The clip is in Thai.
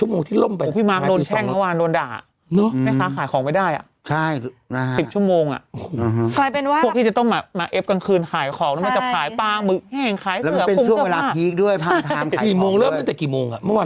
เมื่อคืนต้องเอ็บของกันไงเขาพูดว่าไอจ้าของอ่ะ